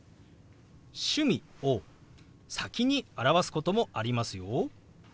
「趣味」を先に表すこともありますよ。